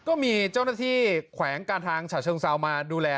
ก็มีเจ้าหน้าที่แขวงการทางฉะเชิงเซามาดูแล